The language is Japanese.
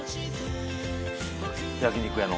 焼き肉屋の。